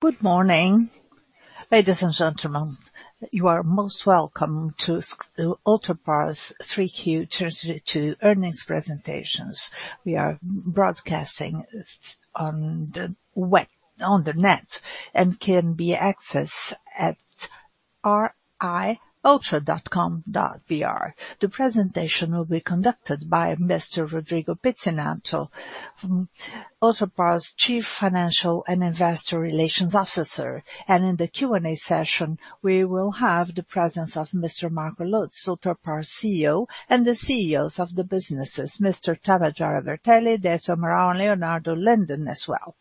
Good morning ladies and gentlemen. You are most welcome to Ultrapar's 3Q 2022 earnings presentation. We are broadcasting on the net and can be accessed at ri.ultra.com.br. The presentation will be conducted by Mr. Rodrigo Pizzinatto, Ultrapar's Chief Financial and Investor Relations Officer. In the Q&A session, we will have the presence of Mr. Marcos Lutz, Ultrapar's CEO, and the CEOs of the businesses, Mr. Tabajara Bertelli, Décio Amaral, Leonardo Linden as well.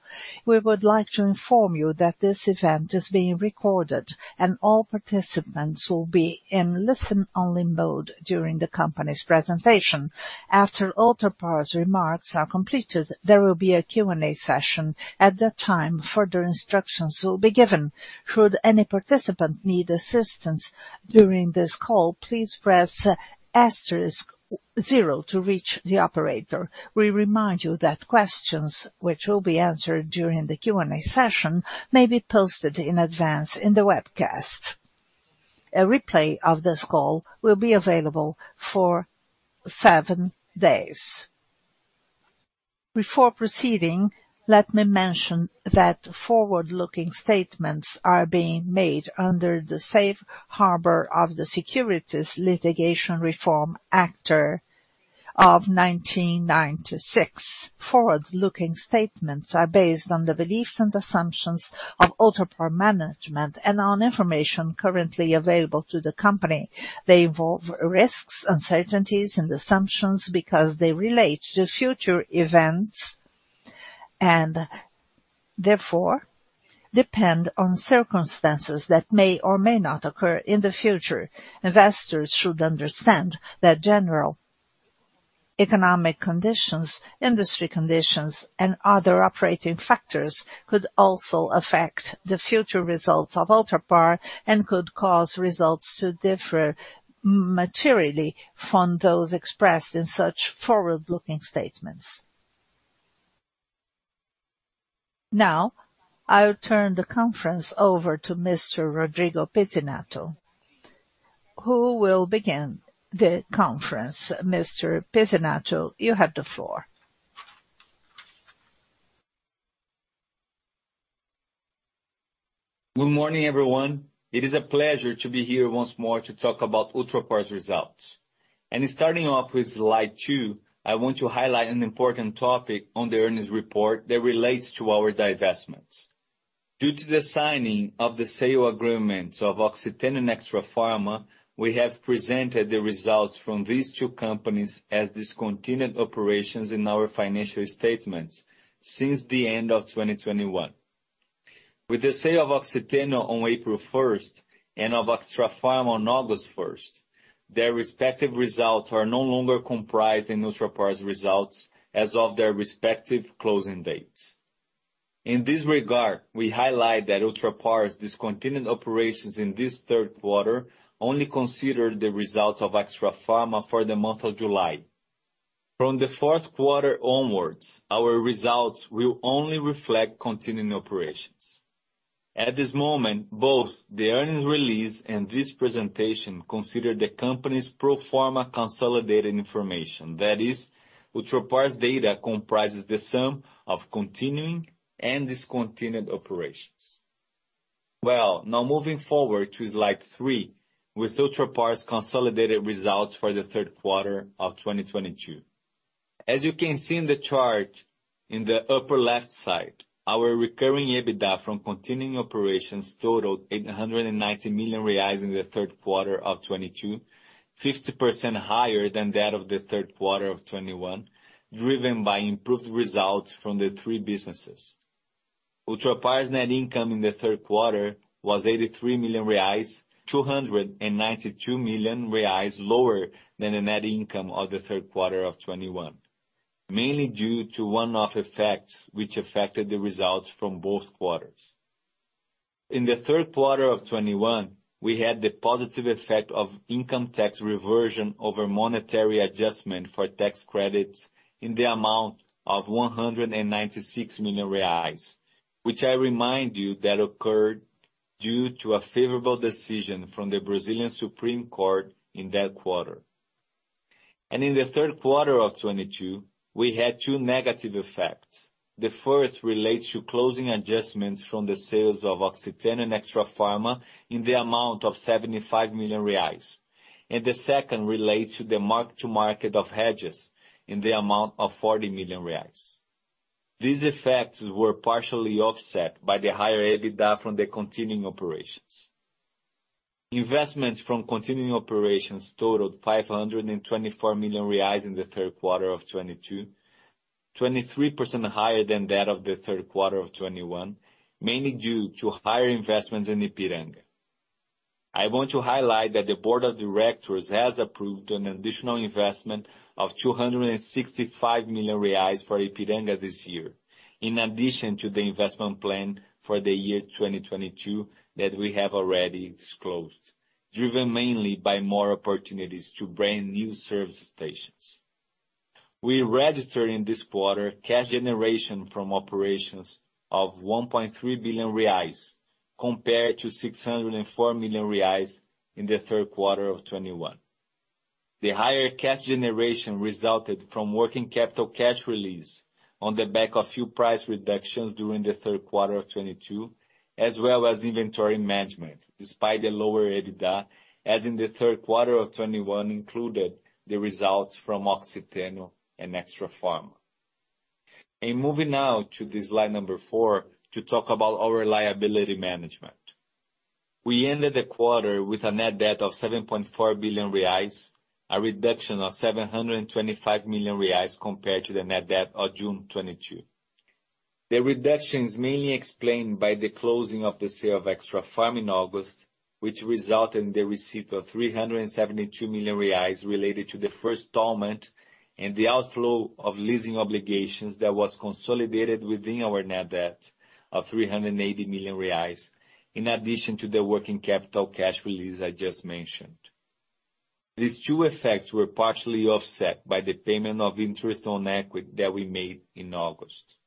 We would like to inform you that this event is being recorded and all participants will be in listen-only mode during the company's presentation. After Ultrapar's remarks are completed, there will be a Q&A session. At that time, further instructions will be given. Should any participant need assistance during this call, please press asterisk zero to reach the operator. We remind you that questions which will be answered during the Q&A session may be posted in advance in the webcast. A replay of this call will be available for seven days. Before proceeding, let me mention that forward-looking statements are being made under the safe harbor of the Securities Litigation Reform Act of 1996. Forward-looking statements are based on the beliefs and assumptions of Ultrapar management and on information currently available to the company. They involve risks, uncertainties and assumptions because they relate to future events. Therefore depend on circumstances that may or may not occur in the future. Investors should understand that general economic conditions, industry conditions, and other operating factors could also affect the future results of Ultrapar and could cause results to differ materially from those expressed in such forward-looking statements. Now, I'll turn the conference over to Mr. Rodrigo Pizzinatto, who will begin the conference. Mr. Pizzinatto, you have the floor. Good morning, everyone. It is a pleasure to be here once more to talk about Ultrapar's results. Starting off with slide two, I want to highlight an important topic on the earnings report that relates to our divestments. Due to the signing of the sale agreements of Oxiteno and Extrafarma, we have presented the results from these two companies as discontinued operations in our financial statements since the end of 2021. With the sale of Oxiteno on April 1st and of Extrafarma on August 1st, their respective results are no longer comprised in Ultrapar's results as of their respective closing dates. In this regard, we highlight that Ultrapar's discontinued operations in this third quarter only consider the results of Extrafarma for the month of July. From the fourth quarter onwards, our results will only reflect continuing operations. At this moment, both the earnings release and this presentation consider the company's pro forma consolidated information. That is, Ultrapar's data comprises the sum of continuing and discontinued operations. Well, now moving forward to slide three, with Ultrapar's consolidated results for the third quarter of 2022. As you can see in the chart in the upper left side, our recurring EBITDA from continuing operations totaled 890 million reais in the third quarter of 2022, 50% higher than that of the third quarter of 2021, driven by improved results from the three businesses. Ultrapar's net income in the third quarter was 83 million reais, 292 million reais lower than the net income of the third quarter of 2021. Mainly due to one-off effects which affected the results from both quarters. In the third quarter of 2021, we had the positive effect of income tax reversion over monetary adjustment for tax credits in the amount of 196 million reais, which I remind you that occurred due to a favorable decision from the Brazilian Supreme Court in that quarter. In the third quarter of 2022, we had two negative effects. The first relates to closing adjustments from the sales of Oxiteno and Extrafarma in the amount of 75 million reais. The second relates to the mark to market of hedges in the amount of 40 million reais. These effects were partially offset by the higher EBITDA from the continuing operations. Investments from continuing operations totaled 524 million reais in the third quarter of 2022, 23% higher than that of the third quarter of 2021, mainly due to higher investments in Ipiranga. I want to highlight that the Board of Directors has approved an additional investment of 265 million reais for Ipiranga this year. In addition to the investment plan for the year 2022 that we have already disclosed, driven mainly by more opportunities to brand new service stations. We registered in this quarter cash generation from operations of 1.3 billion reais, compared to 604 million reais in the third quarter of 2021. The higher cash generation resulted from working capital cash release on the back of few price reductions during the third quarter of 2022, as well as inventory management, despite the lower EBITDA, as in the third quarter of 2021 included the results from Oxiteno and Extrafarma. Moving now to the slide number four to talk about our liability management. We ended the quarter with a net debt of 7.4 billion reais, a reduction of 725 million reais compared to the net debt of June 2022. The reduction's mainly explained by the closing of the sale of Extrafarma in August, which resulted in the receipt of 372 million reais related to the first installment and the outflow of leasing obligations that was consolidated within our net debt of 380 million reais, in addition to the working capital cash release I just mentioned. These two effects were partially offset by the payment of interest on equity that we made in August.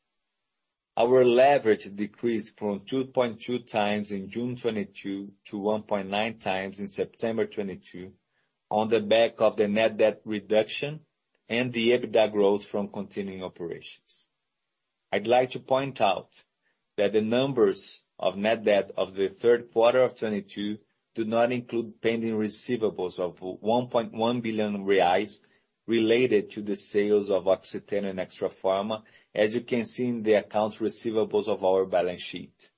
Our leverage decreased from 2.2x in June 2022 to 1.9x in September 2022 on the back of the net debt reduction and the EBITDA growth from continuing operations. I'd like to point out that the numbers of net debt of the third quarter of 2022 do not include pending receivables of 1.1 billion reais related to the sales of Oxiteno and Extrafarma, as you can see in the accounts receivables of our balance sheet.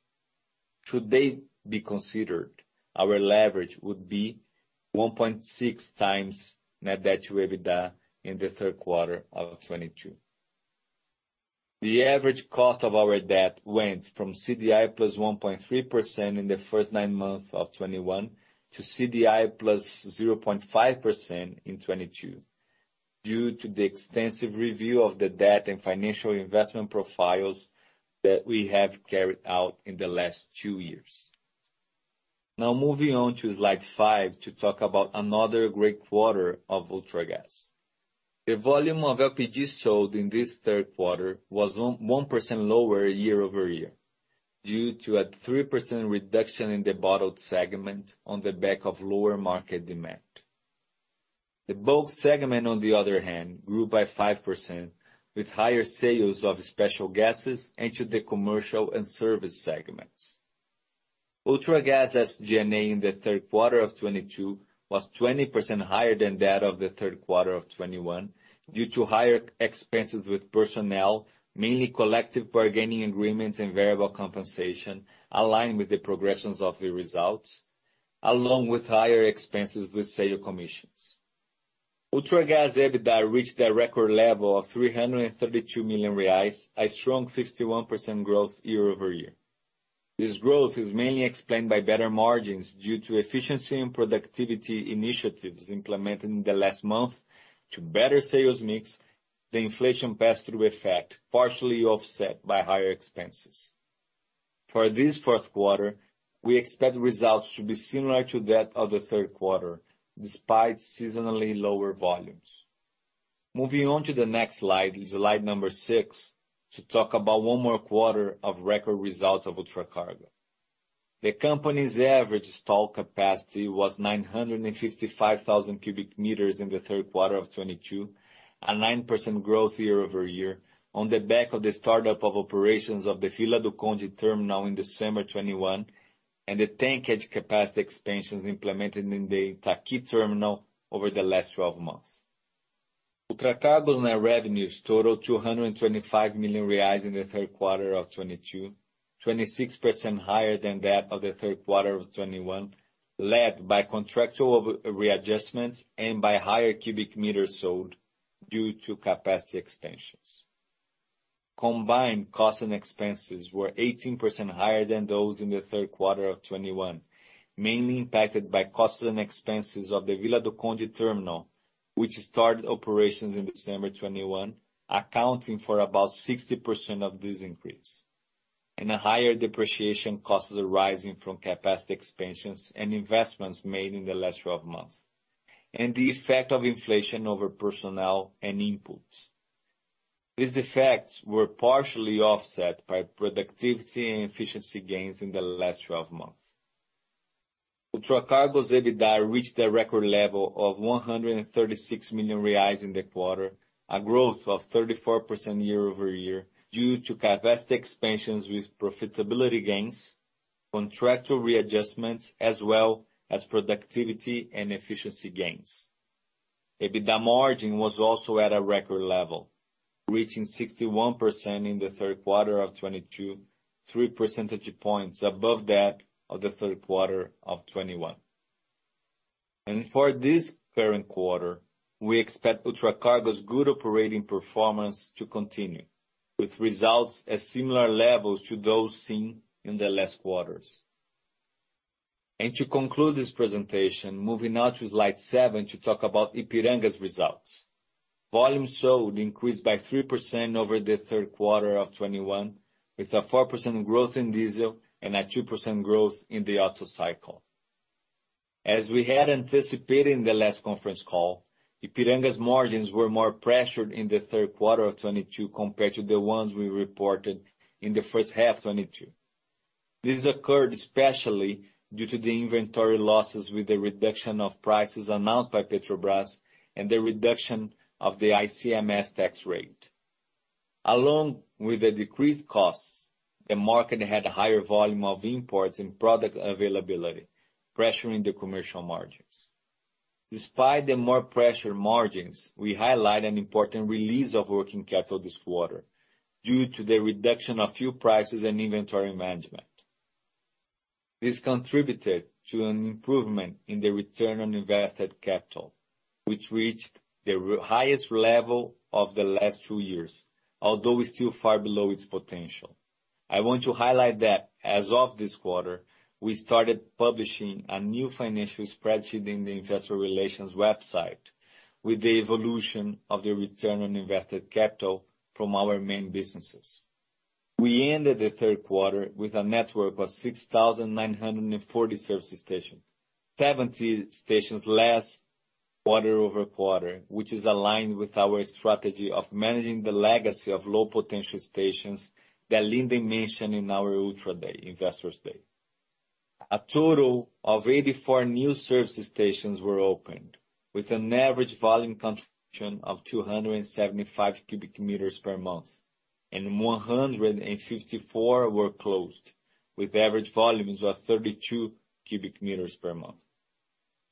Should they be considered, our leverage would be 1.6x net debt to EBITDA in the third quarter of 2022. The average cost of our debt went from CDI +1.3% in the first nine months of 2021 to CDI +0.5% in 2022 due to the extensive review of the debt and financial investment profiles that we have carried out in the last two years. Now moving on to slide five to talk about another great quarter of Ultragaz. The volume of LPG sold in this third quarter was 1% lower year-over-year due to a 3% reduction in the bottled segment on the back of lower market demand. The bulk segment, on the other hand, grew by 5% with higher sales of special gases into the commercial and service segments. Ultragaz' SG&A in the third quarter of 2022 was 20% higher than that of the third quarter of 2021 due to higher expenses with personnel, mainly collective bargaining agreements and variable compensation aligned with the progressions of the results, along with higher expenses with sales commissions. Ultragaz' EBITDA reached a record level of 332 million reais, a strong 51% growth year-over-year. This growth is mainly explained by better margins due to efficiency and productivity initiatives implemented in the last month and better sales mix, the inflation pass-through effect, partially offset by higher expenses. For this fourth quarter, we expect results to be similar to that of the third quarter, despite seasonally lower volumes. Moving on to the next slide number six, to talk about one more quarter of record results of Ultracargo. The company's average tankage capacity was 955,000 cu m in the third quarter of 2022, a 9% growth year-over-year on the back of the startup of operations of the Vila do Conde terminal in December 2021 and the tankage capacity expansions implemented in the Itaqui terminal over the last 12 months. Ultracargo's net revenues totaled BRL 225 million in the third quarter of 2022, 26% higher than that of the third quarter of 2021, led by contractual readjustments and by higher cubic meters sold due to capacity expansions. Combined costs and expenses were 18% higher than those in the third quarter of 2021, mainly impacted by costs and expenses of the Vila do Conde terminal, which started operations in December 2021, accounting for about 60% of this increase, and a higher depreciation cost arising from capacity expansions and investments made in the last 12 months, and the effect of inflation over personnel and inputs. These effects were partially offset by productivity and efficiency gains in the last 12 months. Ultracargo's EBITDA reached a record level of 136 million reais in the quarter, a growth of 34% year-over-year due to capacity expansions with profitability gains, contractual readjustments, as well as productivity and efficiency gains. EBITDA margin was also at a record level, reaching 61% in the third quarter of 2022, three percentage points above that of the third quarter of 2021. For this current quarter, we expect Ultracargo's good operating performance to continue, with results at similar levels to those seen in the last quarters. To conclude this presentation, moving now to slide seven to talk about Ipiranga's results. Volumes sold increased by 3% over the third quarter of 2021, with a 4% growth in diesel and a 2% growth in the auto cycle. As we had anticipated in the last conference call, Ipiranga's margins were more pressured in the third quarter of 2022 compared to the ones we reported in the first half 2022. This occurred especially due to the inventory losses with the reduction of prices announced by Petrobras and the reduction of the ICMS tax rate. Along with the decreased costs, the market had a higher volume of imports and product availability, pressuring the commercial margins. Despite the more pressured margins, we highlight an important release of working capital this quarter due to the reduction of fuel prices and inventory management. This contributed to an improvement in the return on invested capital, which reached the highest level of the last two years, although it's still far below its potential. I want to highlight that as of this quarter, we started publishing a new financial spreadsheet in the investor relations website with the evolution of the return on invested capital from our main businesses. We ended the third quarter with a network of 6,940 service stations. 70 stations less quarter-over-quarter, which is aligned with our strategy of managing the legacy of low potential stations that Linden mentioned in our Ultra Day, Investors Day. A total of 84 new service stations were opened with an average volume contribution of 275 cu m per month, and 154 were closed with average volumes of 32 cu m per month.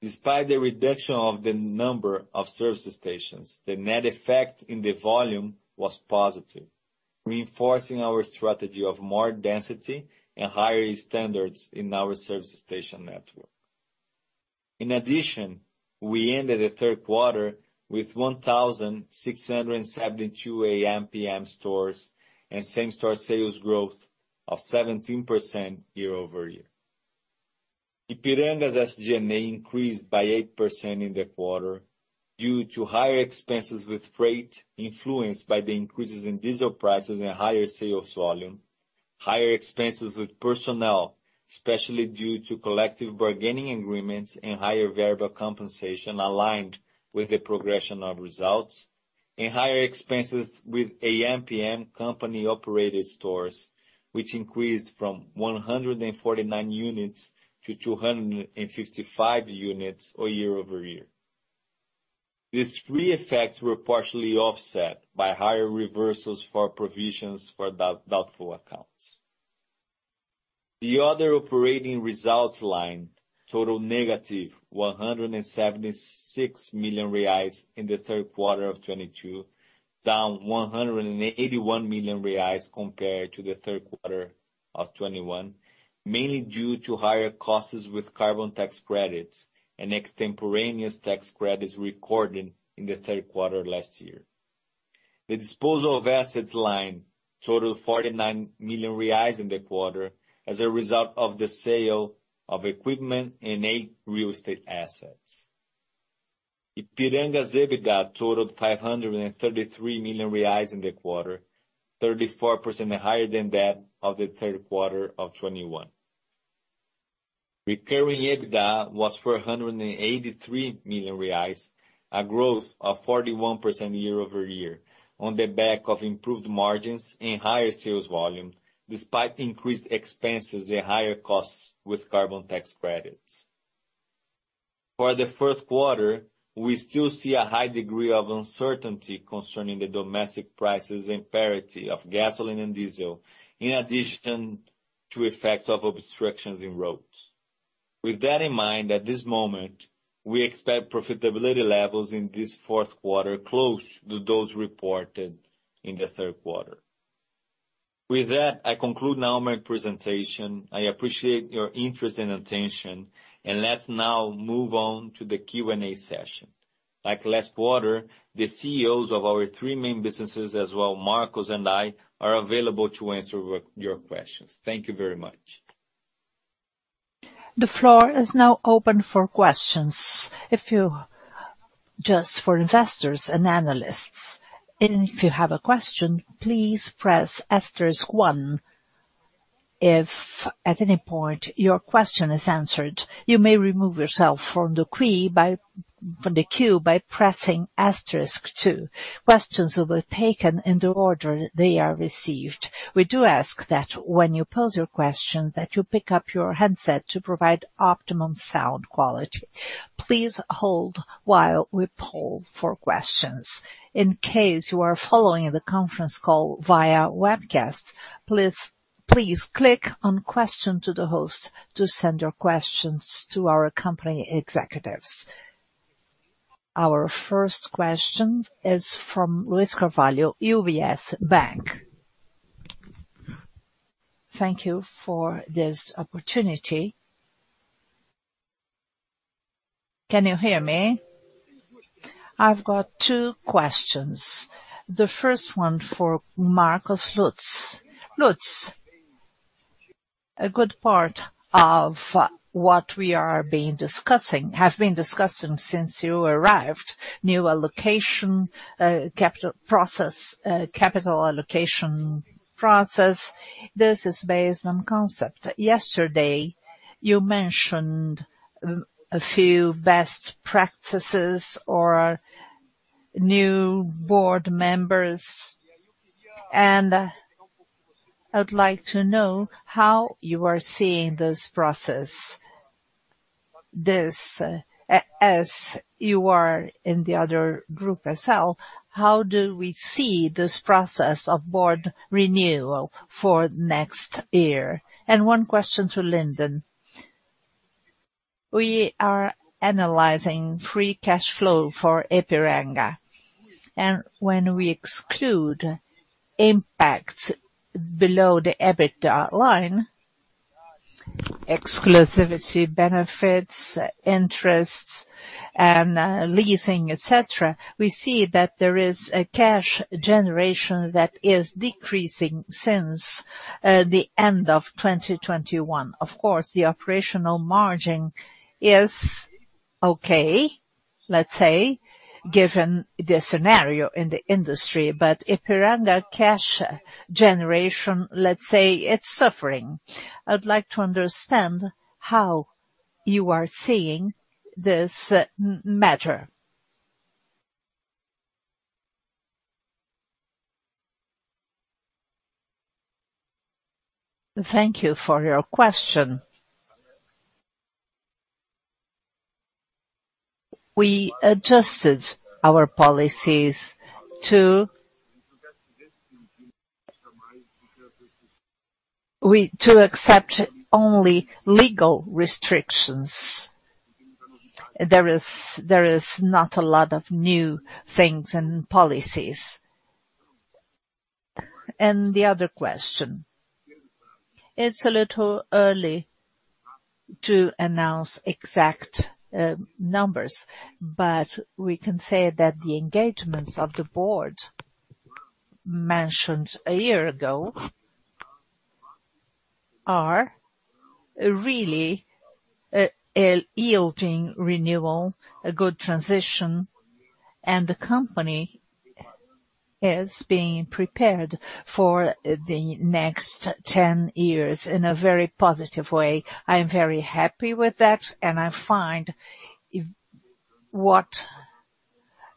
Despite the reduction of the number of service stations, the net effect in the volume was positive, reinforcing our strategy of more density and higher standards in our service station network. In addition, we ended the third quarter with 1,672 ampm stores and same store sales growth of 17% year-over-year. Ipiranga's SG&A increased by 8% in the quarter due to higher expenses with freight influenced by the increases in diesel prices and higher sales volume. Higher expenses with personnel, especially due to collective bargaining agreements and higher variable compensation aligned with the progression of results, and higher expenses with ampm company-operated stores, which increased from 149 units to 255 units year-over-year. These three effects were partially offset by higher reversals for provisions for doubtful accounts. The other operating results line totaled -176 million reais in the third quarter of 2022, down 181 million reais compared to the third quarter of 2021, mainly due to higher costs with carbon tax credits and extemporaneous tax credits recorded in the third quarter last year. The disposal of assets line totaled 49 million reais in the quarter as a result of the sale of equipment and eight real estate assets. Ipiranga's EBITDA totaled 533 million reais in the quarter, 34% higher than that of the third quarter of 2021. Remaining EBITDA was 483 million reais, a growth of 41% year-over-year on the back of improved margins and higher sales volume despite increased expenses and higher costs with carbon tax credits. For the fourth quarter, we still see a high degree of uncertainty concerning the domestic prices and parity of gasoline and diesel, in addition to effects of obstructions in roads. With that in mind, at this moment, we expect profitability levels in this fourth quarter close to those reported in the third quarter. With that, I conclude now my presentation. I appreciate your interest and attention, and let's now move on to the Q&A session. Like last quarter, the CEOs of our three main businesses, as well Marcos and I, are available to answer your questions. Thank you very much. The floor is now open for questions. Just for investors and analysts, and if you have a question, please press asterisk one. If at any point your question is answered, you may remove yourself from the queue by pressing asterisk two. Questions will be taken in the order they are received. We do ask that when you pose your question that you pick up your headset to provide optimum sound quality. Please hold while we poll for questions. In case you are following the conference call via webcast, please click on Question to the Host to send your questions to our company executives. Our first question is from Luiz Carvalho, UBS Bank. Thank you for this opportunity. Can you hear me? I've got two questions. The first one for Marcos Lutz. Lutz, a good part of what we have been discussing since you arrived, new allocation, capital allocation process, this is based on concept. Yesterday, you mentioned a few best practices or new Board members. I'd like to know how you are seeing this process. This, as you are in the other group as well, how do we see this process of Board renewal for next year? One question to Linden. We are analyzing free cash flow for Ipiranga, and when we exclude impacts below the EBITDA line, exclusivity benefits, interests and leasing, et cetera, we see that there is a cash generation that is decreasing since the end of 2021. Of course, the operational margin is okay, let's say, given the scenario in the industry. Ipiranga cash generation, let's say, it's suffering. I'd like to understand how you are seeing this matter. Thank you for your question. We adjusted our policies to accept only legal restrictions. There is not a lot of new things and policies. The other question. It's a little early to announce exact numbers, but we can say that the engagements of the Board mentioned a year ago are really yielding renewal, a good transition, and the company is being prepared for the next 10 years in a very positive way. I am very happy with that, and I find what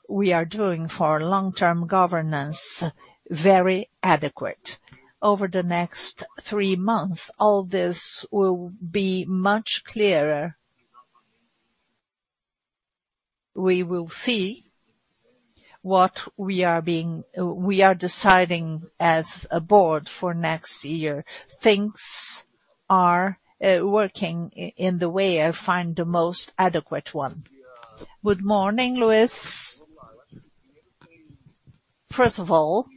we are doing for long-term governance very adequate. Over the next three months, all this will be much clearer. We will see what we are deciding as a Board for next year. Things are working in the way I find the most adequate one. Good morning, Luis. First of all,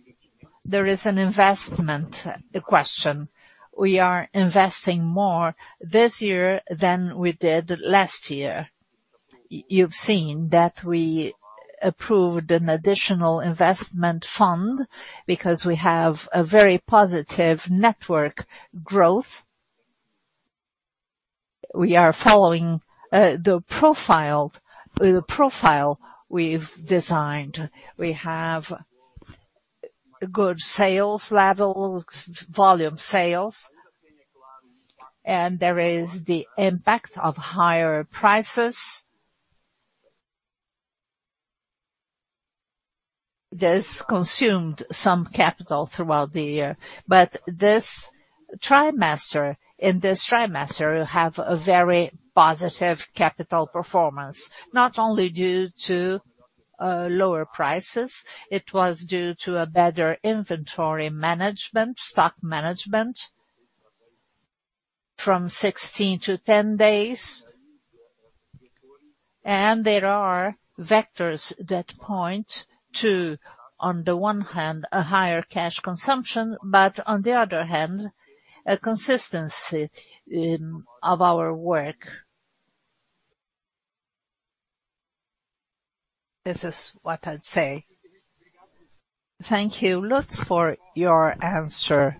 there is an investment question. We are investing more this year than we did last year. You've seen that we approved an additional investment fund because we have a very positive network growth. We are following the profile we've designed. We have good sales levels, volume sales, and there is the impact of higher prices. This consumed some capital throughout the year. This trimester, we have a very positive capital performance, not only due to lower prices, it was due to a better inventory management, stock management from 16 to 10 days. There are vectors that point to, on the one hand, a higher cash consumption, but on the other hand, a consistency of our work. This is what I'd say. Thank you, Lutz, for your answer.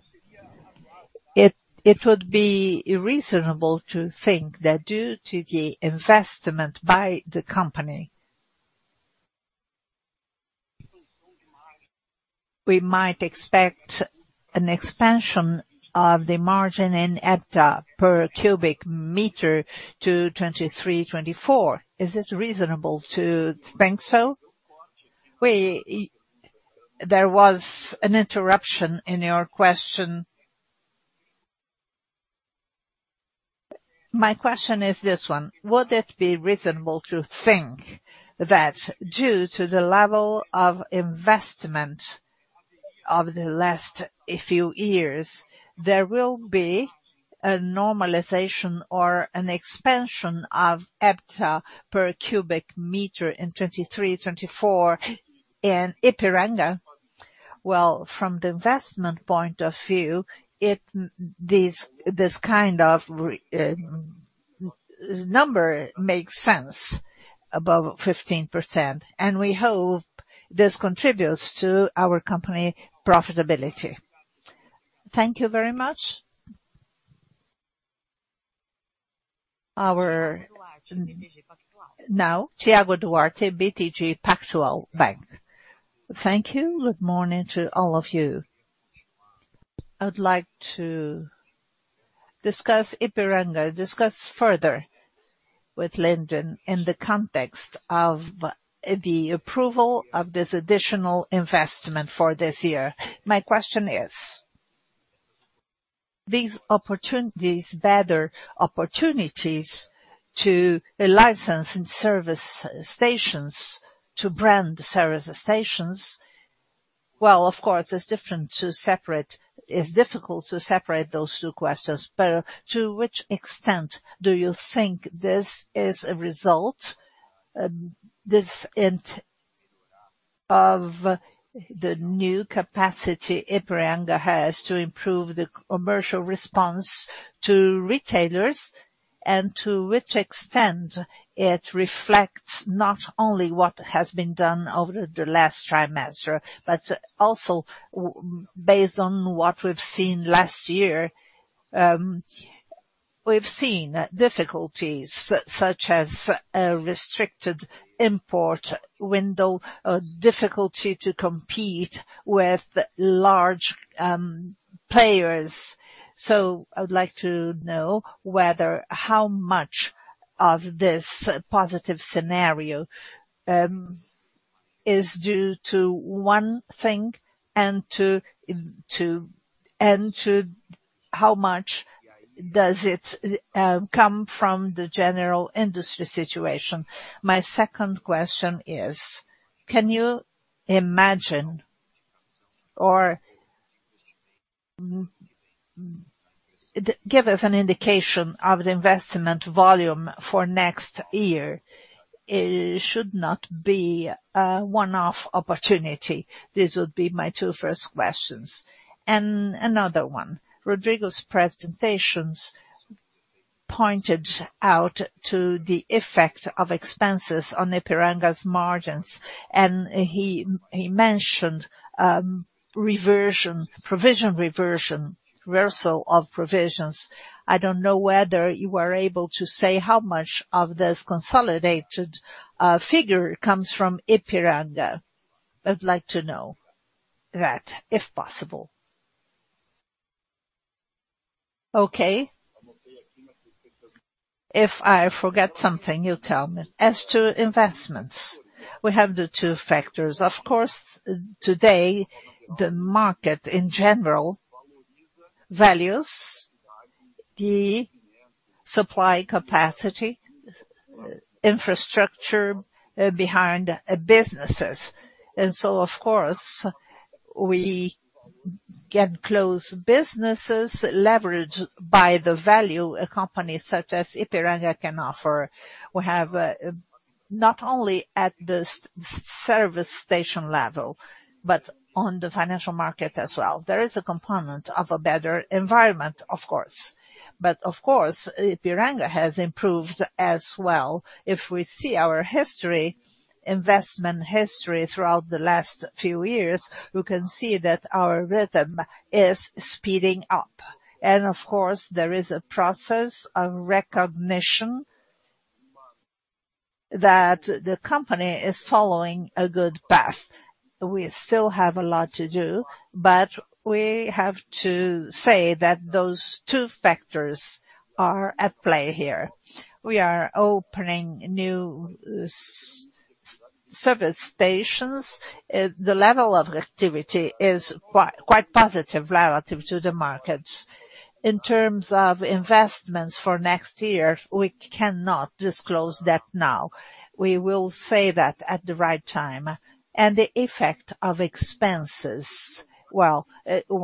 It would be reasonable to think that due to the investment by the company, we might expect an expansion of the margin in EBITDA per cubic meter to 2023, 2024. Is it reasonable to think so? There was an interruption in your question. My question is this one: Would it be reasonable to think that due to the level of investment of the last few years, there will be a normalization or an expansion of EBITDA per cubic meter in 2023, 2024 in Ipiranga? Well, from the investment point of view, this kind of number makes sense above 15%, and we hope this contributes to our company profitability. Thank you very much. Now, Thiago Duarte, BTG Pactual. Thank you. Good morning to all of you. I would like to discuss Ipiranga, discuss further with Linden in the context of the approval of this additional investment for this year. My question is, these opportunities, better opportunities to license and service stations to brand service stations. Well, of course, it's different to separate. It's difficult to separate those two questions, but to which extent do you think this is a result of the new capacity Ipiranga has to improve the commercial response to retailers, and to which extent it reflects not only what has been done over the last quarter, but also based on what we've seen last year. We've seen difficulties such as restricted import window or difficulty to compete with large players. I would like to know how much of this positive scenario is due to one thing and how much does it come from the general industry situation. My second question is, can you imagine or give us an indication of the investment volume for next year? It should not be a one-off opportunity. This would be my two first questions. Another one. Rodrigo's presentations pointed out to the effect of expenses on Ipiranga's margins, and he mentioned reversal of provisions. I don't know whether you are able to say how much of this consolidated figure comes from Ipiranga. I'd like to know that, if possible. Okay. If I forget something, you tell me. As to investments, we have the two factors. Of course, today, the market in general values the supply capacity, infrastructure behind businesses. Of course, we get close businesses leveraged by the value a company such as Ipiranga can offer. We have, not only at the service station level, but on the financial market as well. There is a component of a better environment, of course. Of course, Ipiranga has improved as well. If we see our history, investment history throughout the last few years, we can see that our rhythm is speeding up. Of course, there is a process of recognition that the company is following a good path. We still have a lot to do, but we have to say that those two factors are at play here. We are opening new service stations. The level of activity is quite positive relative to the markets. In terms of investments for next year, we cannot disclose that now. We will say that at the right time. The effect of expenses, well,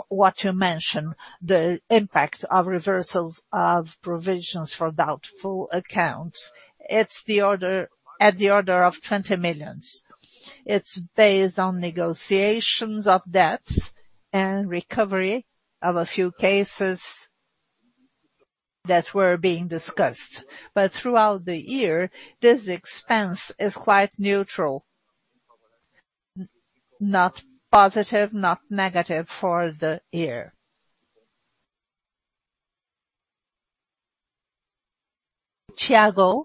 what you mentioned, the impact of reversals of provisions for doubtful accounts, it's at the order of 20 million. It's based on negotiations of debts and recovery of a few cases that were being discussed. Throughout the year, this expense is quite neutral. Not positive, not negative for the year. Thiago,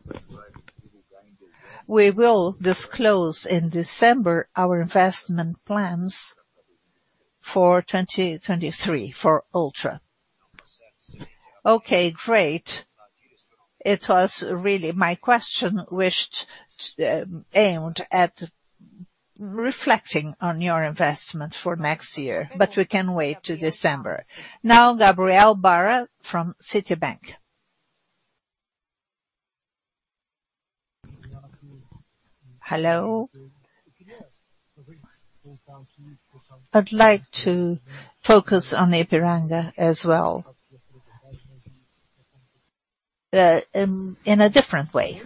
we will disclose in December our investment plans for 2023 for Ultra. Okay, great. It was really my question aimed at reflecting on your investment for next year, but we can wait till December. Now, Gabriel Barra from Citibank. Hello. I'd like to focus on Ipiranga as well, in a different way.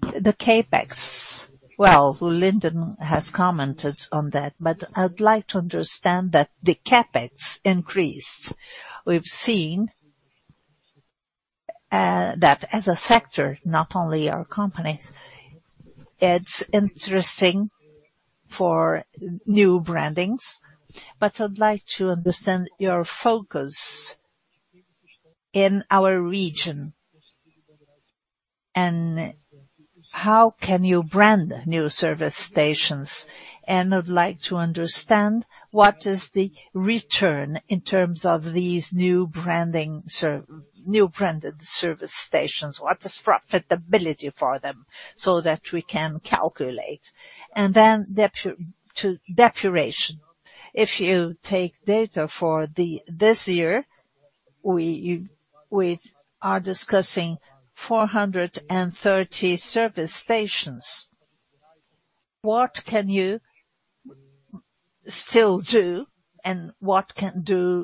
The CapEx, well, Linden has commented on that, but I'd like to understand that the CapEx increased. We've seen that as a sector, not only our company, it's interesting for new brandings, but I'd like to understand your focus in our region. How can you brand new service stations? I'd like to understand what is the return in terms of these new branded service stations? What is profitability for them so that we can calculate? Then to depreciation. If you take data for this year, we are discussing 430 service stations. What can you still do and what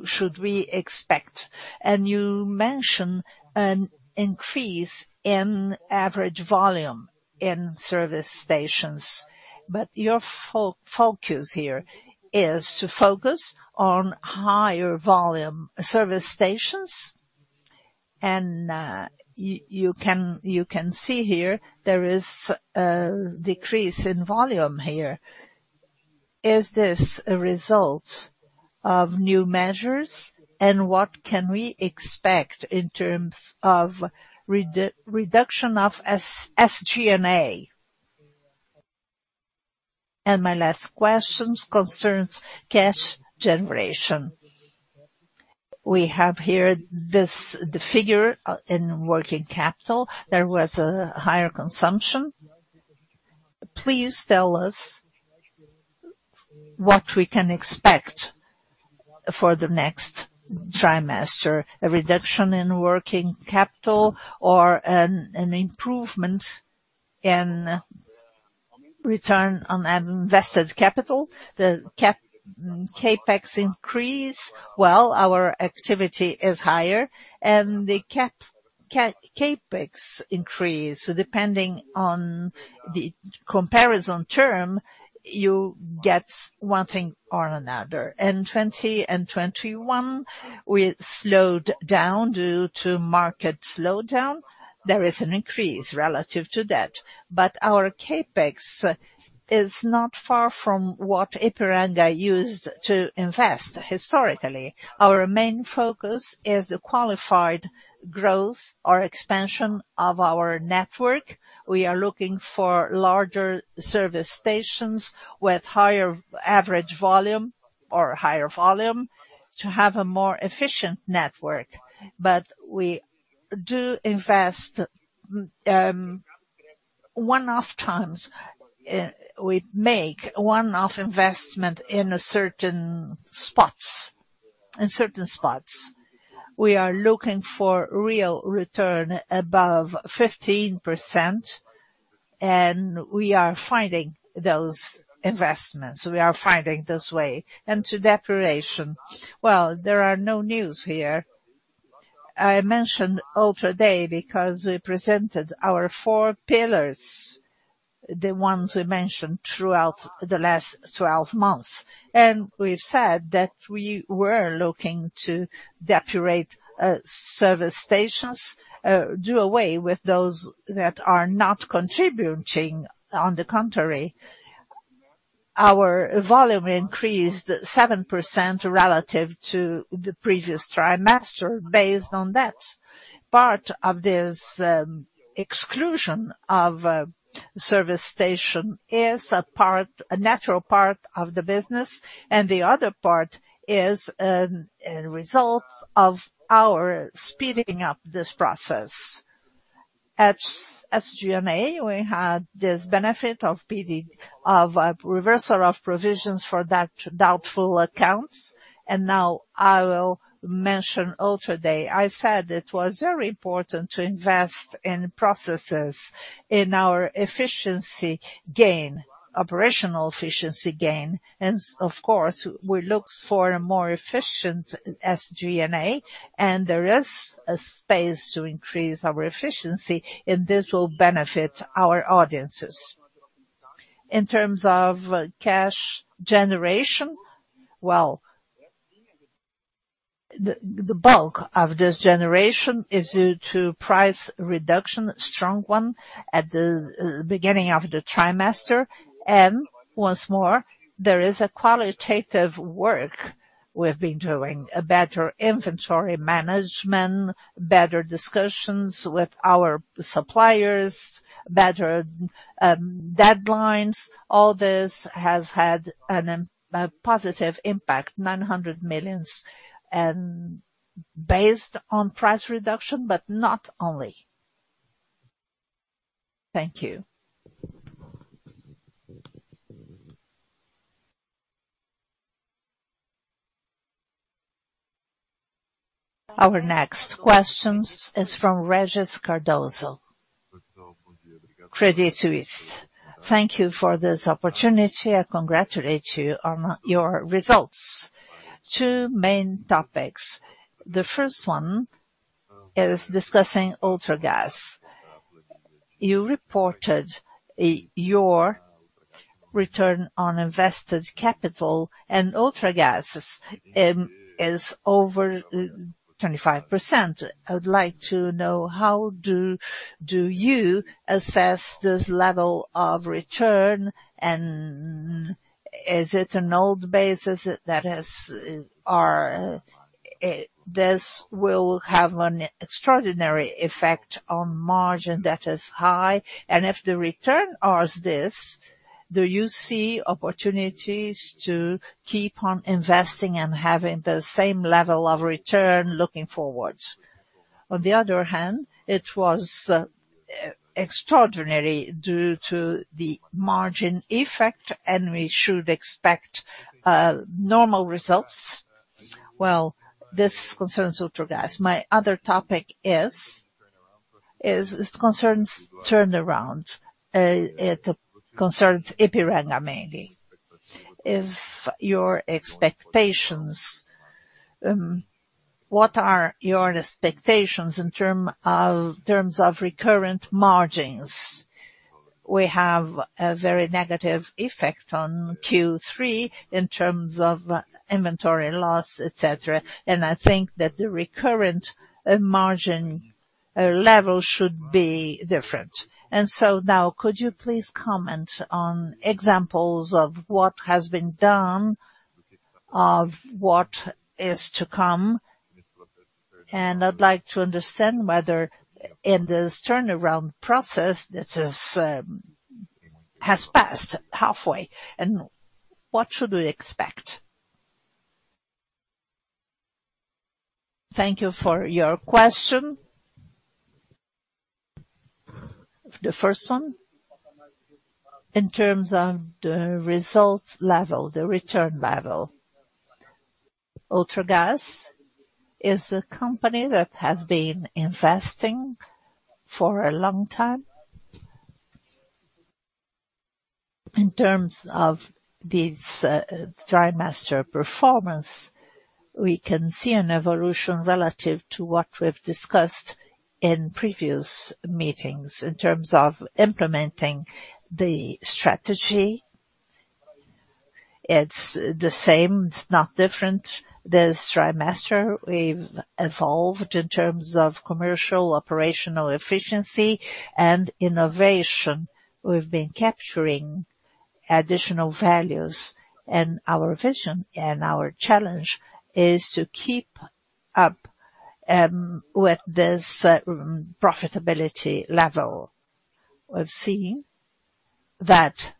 should we expect? You mention an increase in average volume in service stations, but your focus here is to focus on higher volume service stations and you can see here there is a decrease in volume here. Is this a result of new measures, and what can we expect in terms of reduction of SG&A? My last questions concerns cash generation. We have here this the figure in working capital. There was a higher consumption. Please tell us what we can expect for the next trimester. A reduction in working capital or an improvement in return on invested capital? The CapEx increase? Well, our activity is higher and the CapEx increase, depending on the comparison term, you get one thing or another. In 2021, we slowed down due to market slowdown. There is an increase relative to that. Our CapEx is not far from what Ipiranga used to invest historically. Our main focus is the qualified growth or expansion of our network. We are looking for larger service stations with higher average volume or higher volume to have a more efficient network. We do invest one-off times. We make one-off investment in certain spots. We are looking for real return above 15%, and we are finding those investments. We are finding this way. To depuration. Well, there are no news here. I mentioned Ultragaz because we presented our four pillars, the ones we mentioned throughout the last 12 months. We've said that we were looking to depurate service stations, do away with those that are not contributing. On the contrary, our volume increased 7% relative to the previous quarter based on that. Part of this, exclusion of a service station is a part, a natural part of the business, and the other part is a result of our speeding up this process. At SG&A, we had this benefit of speeding of a reversal of provisions for doubtful accounts. Now I will mention Ultragaz. I said it was very important to invest in processes, in our efficiency gain, operational efficiency gain. Of course, we look for a more efficient SG&A, and there is a space to increase our efficiency, and this will benefit our audiences. In terms of cash generation, well, the bulk of this generation is due to price reduction, strong one, at the beginning of the trimester. Once more, there is a qualitative work we've been doing. A better inventory management, better discussions with our suppliers, better deadlines. All this has had a positive impact, 900 million, and based on price reduction, but not only. Thank you. Our next question is from Regis Cardoso, Credit Suisse. Thank you for this opportunity. I congratulate you on your results. Two main topics. The first one is discussing Ultragaz. You reported your return on invested capital in Ultragaz is over 25%. I would like to know how do you assess this level of return and is it an old base? Is it that this has or this will have an extraordinary effect on margin that is high, and if this return lasts, do you see opportunities to keep on investing and having the same level of return looking forward? On the other hand, it was extraordinary due to the margin effect, and we should expect normal results. Well, this concerns Ultragaz. My other topic is, it concerns turnaround. It concerns Ipiranga, mainly. What are your expectations in terms of recurrent margins? We have a very negative effect on Q3 in terms of inventory loss, et cetera, and I think that the recurrent margin level should be different. Now could you please comment on examples of what has been done, of what is to come, and I'd like to understand whether in this turnaround process, this has passed halfway, and what should we expect? Thank you for your question. The first one, in terms of the results level, the return level. Ultragaz is a company that has been investing for a long time. In terms of this trimester performance, we can see an evolution relative to what we've discussed in previous meetings in terms of implementing the strategy. It's the same, it's not different. This trimester, we've evolved in terms of commercial, operational efficiency and innovation. We've been capturing additional values, and our vision and our challenge is to keep up with this profitability level. We've seen that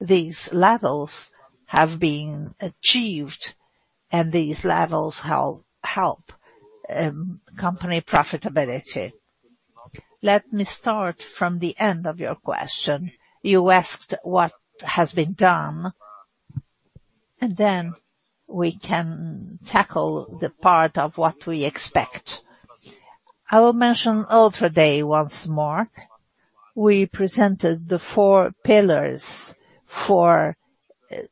these levels have been achieved, and these levels help company profitability. Let me start from the end of your question. You asked what has been done, and then we can tackle the part of what we expect. I will mention Ultra Day once more. We presented the four pillars for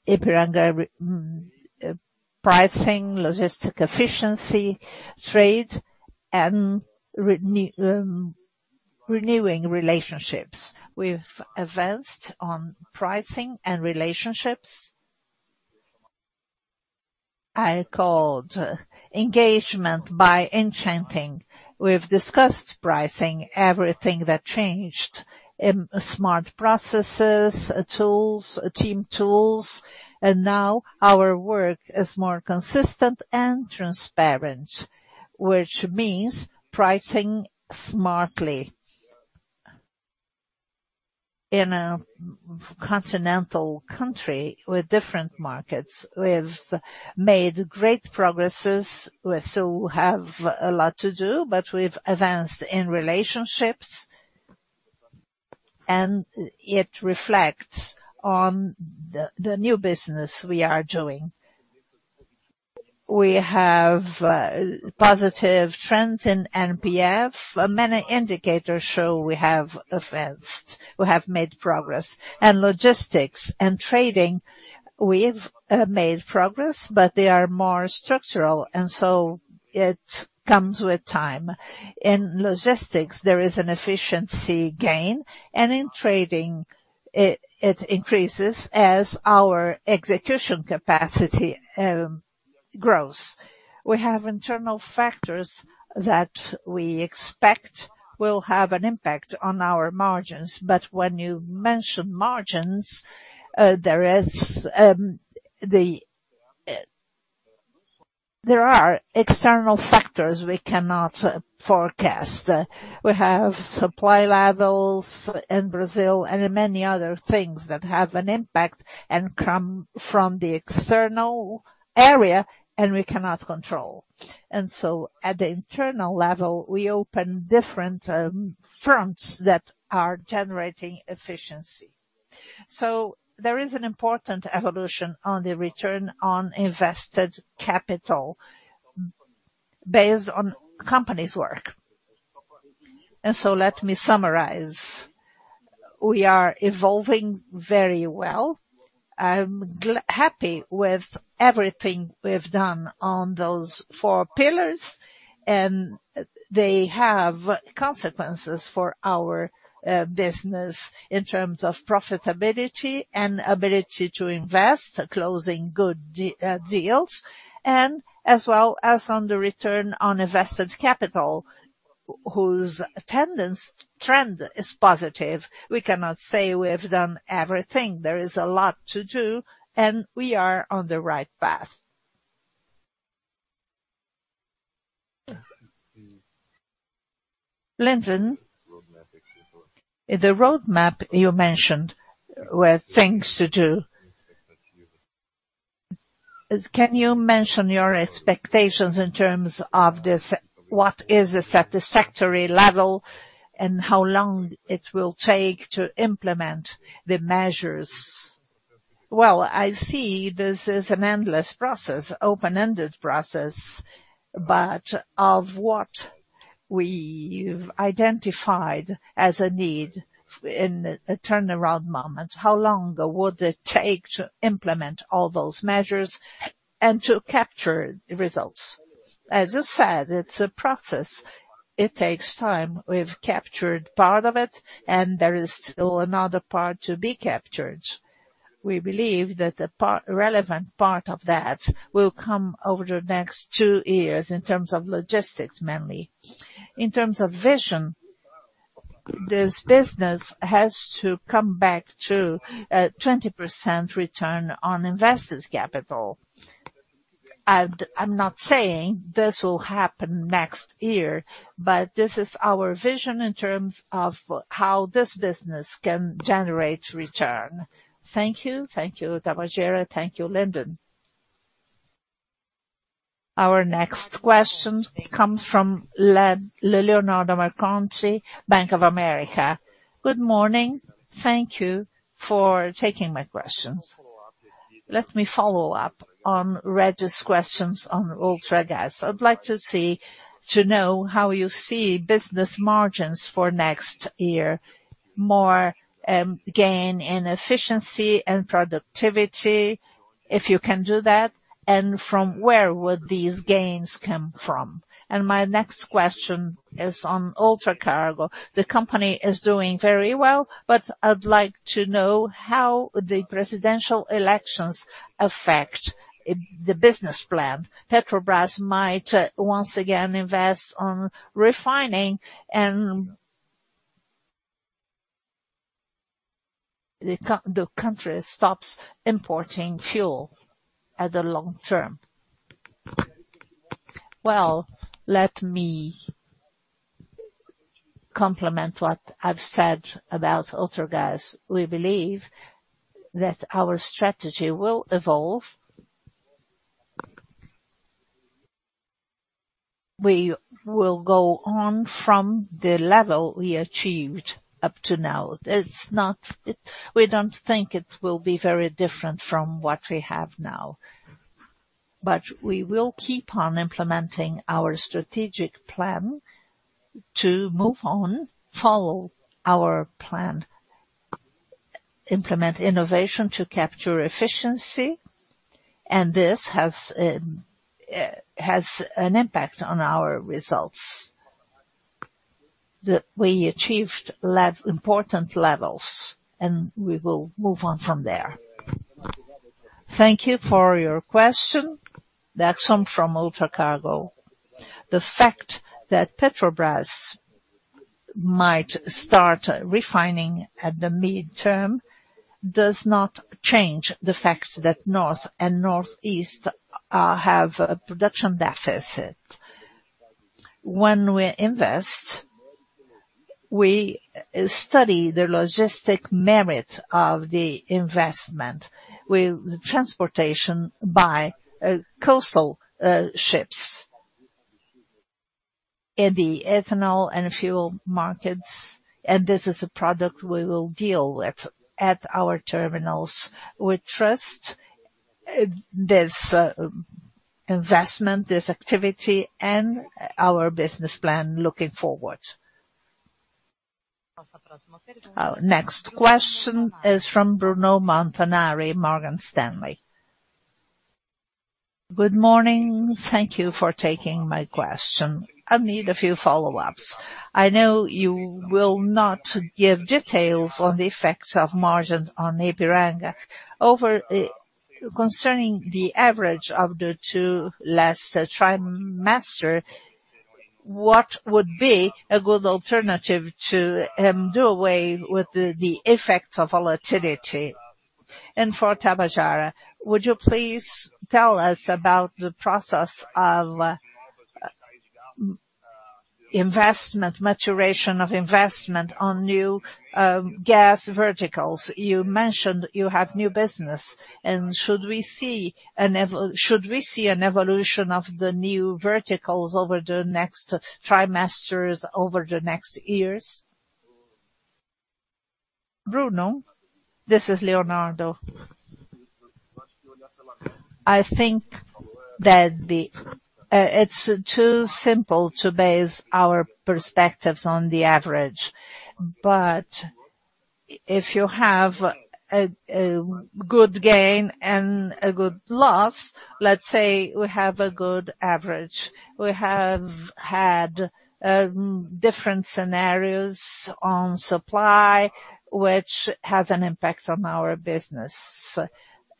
Ipiranga, pricing, logistic efficiency, trade, and renewing relationships. We've advanced on pricing and relationships. I called engagement by enchanting. We've discussed pricing, everything that changed, smart processes, tools, team tools, and now our work is more consistent and transparent, which means pricing smartly. In a continental country with different markets, we've made great progress. We still have a lot to do, but we've advanced in relationships and it reflects on the new business we are doing. We have positive trends in NPS. Many indicators show we have advanced, we have made progress. Logistics and trading, we've made progress, but they are more structural and so it comes with time. In logistics, there is an efficiency gain, and in trading it increases as our execution capacity grows. We have internal factors that we expect will have an impact on our margins, but when you mention margins, there are external factors we cannot forecast. We have supply levels in Brazil and many other things that have an impact and come from the external area, and we cannot control. At the internal level, we open different fronts that are generating efficiency. There is an important evolution on the return on invested capital based on company's work. Let me summarize. We are evolving very well. I'm happy with everything we've done on those four pillars, and they have consequences for our business in terms of profitability and ability to invest, closing good deals, and as well as on the return on invested capital, whose ascendant trend is positive. We cannot say we have done everything. There is a lot to do, and we are on the right path. Linden, the roadmap you mentioned were things to do. Can you mention your expectations in terms of this, what is a satisfactory level and how long it will take to implement the measures? Well, I see this is an endless process, open-ended process. Of what we've identified as a need in a turnaround moment, how long would it take to implement all those measures and to capture the results? As I said, it's a process. It takes time. We've captured part of it, and there is still another part to be captured. We believe that the relevant part of that will come over the next two years in terms of logistics, mainly. In terms of vision, this business has to come back to 20% return on invested capital. I'm not saying this will happen next year, but this is our vision in terms of how this business can generate return. Thank you. Thank you, Tabajara. Thank you, Linden. Our next question comes from Leonardo Marcondes, Bank of America. Good morning. Thank you for taking my questions. Let me follow up on Regis's questions on Ultragaz. I'd like to know how you see business margins for next year, more gain in efficiency and productivity, if you can do that, and from where would these gains come from? My next question is on Ultracargo. The company is doing very well, but I'd like to know how the presidential elections would affect the business plan. Petrobras might once again invest in refining and the country stops importing fuel in the long term. Well, let me complement what I've said about Ultragaz. We believe that our strategy will evolve. We will go on from the level we achieved up to now. We don't think it will be very different from what we have now. We will keep on implementing our strategic plan to move on, follow our plan, implement innovation to capture efficiency, and this has an impact on our results. We achieved important levels, and we will move on from there. Thank you for your question. Décio from Ultracargo. The fact that Petrobras might start refining at the midterm does not change the fact that North and Northeast have a production deficit. When we invest, we study the logistic merit of the investment with transportation by coastal ships in the ethanol and fuel markets, and this is a product we will deal with at our terminals. We trust this investment, this activity, and our business plan looking forward. Our next question is from Bruno Montanari, Morgan Stanley. Good morning. Thank you for taking my question. I need a few follow-ups. I know you will not give details on the effects of margins on Ipiranga. Concerning the average of the two last quarters, what would be a good alternative to do away with the effects of volatility? For Tabajara, would you please tell us about the process of investment, maturation of investment on new gas verticals? You mentioned you have new business, and should we see an evolution of the new verticals over the next quarters over the next years? Bruno, this is Leonardo. I think that it's too simple to base our perspectives on the average. If you have a good gain and a good loss, let's say we have a good average. We have had different scenarios on supply, which has an impact on our business.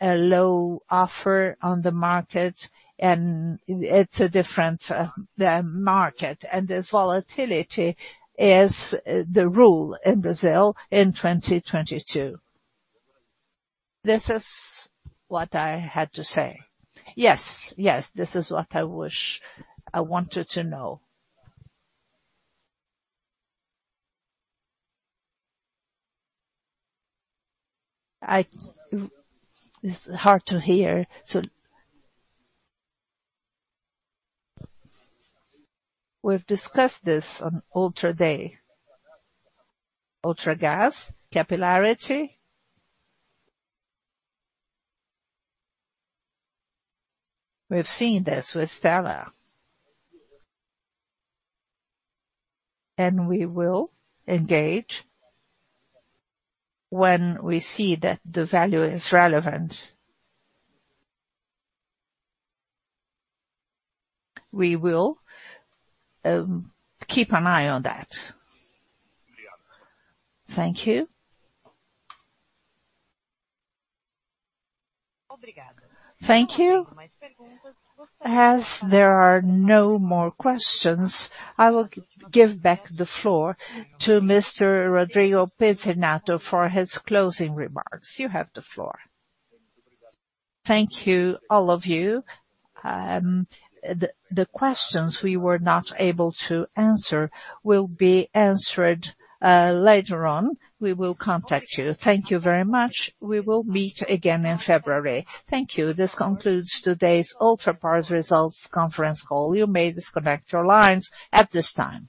A low offer on the market, and it's a different market. This volatility is the rule in Brazil in 2022. This is what I had to say. Yes. Yes. This is what I wanted to know. It's hard to hear. We've discussed this on Ultragaz. Ultragaz capillarity. We've seen this with Stella. We will engage when we see that the value is relevant. We will keep an eye on that. Thank you. Thank you. As there are no more questions, I will give back the floor to Mr. Rodrigo Pizzinatto for his closing remarks. You have the floor. Thank you, all of you. The questions we were not able to answer will be answered later on. We will contact you. Thank you very much. We will meet again in February. Thank you. This concludes today's Ultrapar's results conference call. You may disconnect your lines at this time.